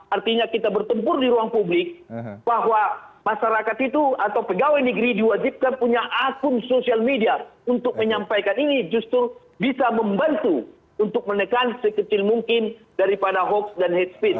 artinya kita bertempur di ruang publik bahwa masyarakat itu atau pegawai negeri diwajibkan punya akun sosial media untuk menyampaikan ini justru bisa membantu untuk menekan sekecil mungkin daripada hoax dan hate speech